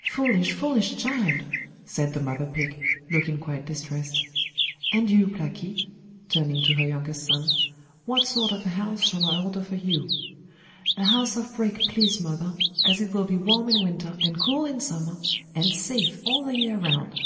'Foolish, foolish child!' said the mother pig, looking quite distressed. 'And you, Blacky?' turning to her youngest son, 'what sort of a house shall I order for you?' 'A house of brick, please mother, as it will be warm in winter, and cool in summer, and safe all the year round.